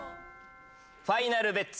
ファイナルベッツ？